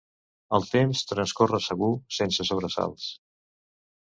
El temps transcorre segur, sense sobresalts.